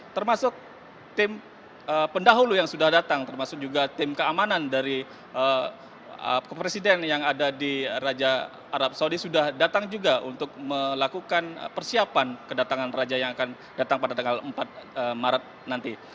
termasuk tim pendahulu yang sudah datang termasuk juga tim keamanan dari kepresiden yang ada di raja arab saudi sudah datang juga untuk melakukan persiapan kedatangan raja yang akan datang pada tanggal empat maret nanti